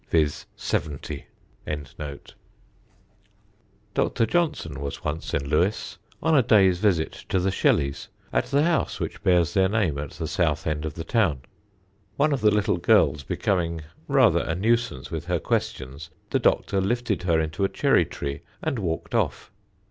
70)." [Sidenote: DR. JOHNSON AT LEWES] Dr. Johnson was once in Lewes, on a day's visit to the Shelleys, at the house which bears their name at the south end of the town. One of the little girls becoming rather a nuisance with her questions, the Doctor lifted her into a cherry tree and walked off.